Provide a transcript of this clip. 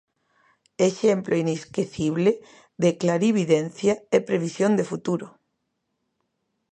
¡Exemplo inesquecible de clarividencia e previsión de futuro!